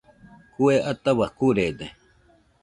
Kue ataua kurede.